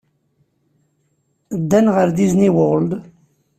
Ddan ɣer Disney World.